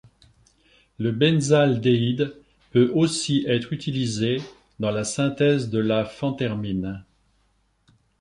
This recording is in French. Le benzaldéhyde peut aussi être utilisé dans la synthèse de la phentermine.